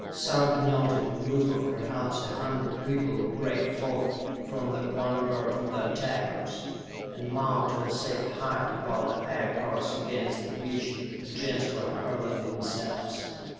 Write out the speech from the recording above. Sarka noted a group of perhaps a hundred people break forth from the vanguard of the attackers, and mount to a safe height above the Aircars against which the Gens were hurling themselves.